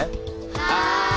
はい。